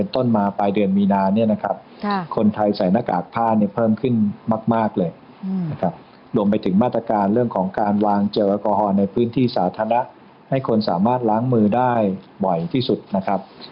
ถึงมาตรการเรื่องของการวางเจลแอลกอฮอล์ในพื้นที่สาธารณะให้คนสามารถล้างมือได้บ่อยที่สุดนะครับ